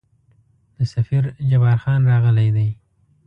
د سفیر جبارخان راغلی دی.